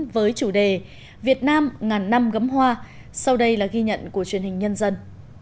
với chủ đề việt nam ngàn năm gấm hoa sau đây là ghi nhận của truyền hình nhân dân